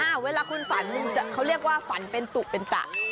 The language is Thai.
เวลาคุณฝันเขาเรียกว่าฝันเป็นตุเป็นตะ